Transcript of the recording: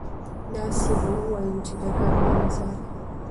داسې به اووايو چې د ګابا مثال